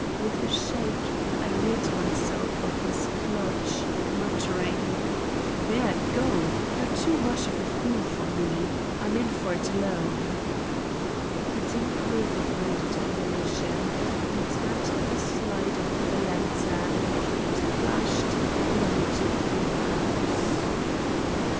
With a shake I rid myself of his clutch, muttering: "There, go! You're too much of a fool for me. I'm in for it alone." And in proof of my determination, I turned the slide of the lantern and flashed the light through the house.